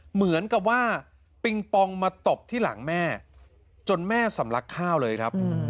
เหมือนกับว่าปิงปองมาตบที่หลังแม่จนแม่สำลักข้าวเลยครับ